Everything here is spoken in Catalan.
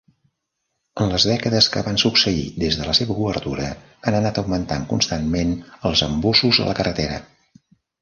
En les dècades que van succeir des de la seva obertura han anat augmentant constantment els embussos a la carretera.